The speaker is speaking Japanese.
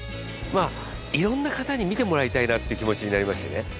まぁいろんな方に見てもらいたいなっていう気持ちになりましてね